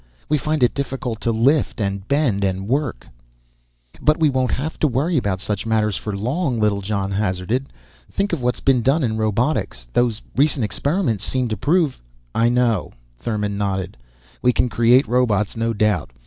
We find it difficult to lift and bend and work " "But we won't have to worry about such matters for long," Littlejohn hazarded. "Think of what's being done in robotics. Those recent experiments seem to prove " "I know." Thurmon nodded. "We can create robots, no doubt.